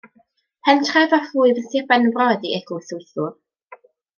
Pentref a phlwyf yn Sir Benfro ydy Eglwys Wythwr.